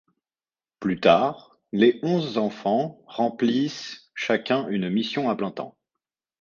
Plus tard, les onze enfants remplissent chacun une mission à plein temps.